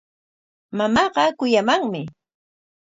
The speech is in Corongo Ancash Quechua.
Mamaaqa kuyamanmi.